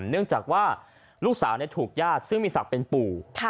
เนื่องจากว่าลูกสาวถูกญาติซึ่งมีศักดิ์เป็นปู่